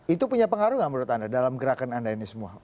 itu punya pengaruh gak menurut anda dalam gerakan anda ini semua